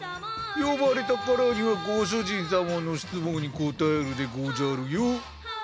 呼ばれたからにはご主人様の質問に答えるでごじゃるよ。